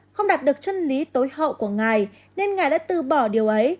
không đạt được chân lý tối hậu của ngài nên ngài đã từ bỏ điều ấy